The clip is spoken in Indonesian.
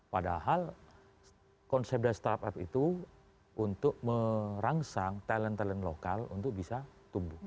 padahal konsep dari startup itu untuk merangsang talent talent lokal untuk bisa tumbuh